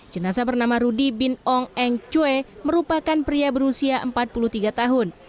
jenazah bernama rudy bin ong eng chue merupakan pria berusia empat puluh tiga tahun